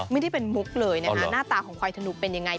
ไม่ได้เป็นมุกเลยนะคะหน้าตาของควายธนุเป็นยังไง